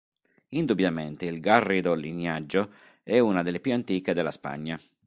Indubbiamente il Garrido lignaggio è una delle più antiche della Spagna.